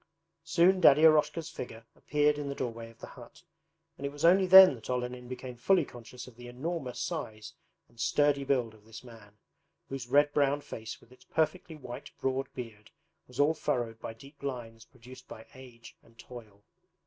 Soon Daddy Eroshka's figure appeared in the doorway of the hut, and it was only then that Olenin became fully conscious of the enormous size and sturdy build of this man, whose red brown face with its perfectly white broad beard was all furrowed by deep lines produced by age and toil.